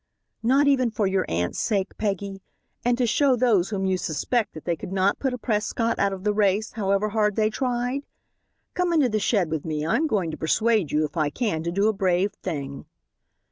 "Not even for your aunt's sake, Peggy, and to show those whom you suspect that they could not put a Prescott out of the race, however hard they tried? Come into the shed with me. I am going to persuade you, if I can, to do a brave thing."